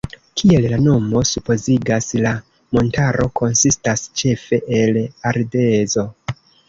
Kiel la nomo supozigas, la montaro konsistas ĉefe el ardezo.